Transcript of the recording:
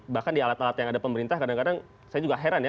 bahkan di alat alat yang ada pemerintah kadang kadang saya juga heran ya